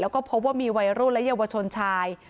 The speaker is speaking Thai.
แล้วก็พบว่ามีวัยรุ่นและเยาวชนชาย